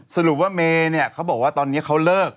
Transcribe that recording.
สรุปว่าเมย์เนี่ยเขาบอกว่าตอนนี้เขาเลิก